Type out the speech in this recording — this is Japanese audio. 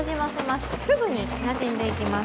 すぐになじんでいきます。